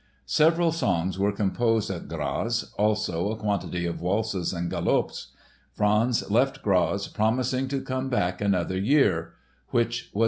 Several songs were composed at Graz, also a quantity of waltzes and galops. Franz left Graz promising to come back another year—which was never to dawn.